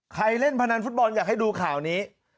เล่นพนันฟุตบอลอยากให้ดูข่าวนี้